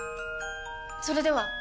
それでは！